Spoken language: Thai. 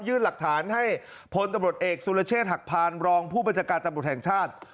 หลักฐานให้พลตำรวจเอกสุรเชษฐหักพานรองผู้บัญชาการตำรวจแห่งชาติ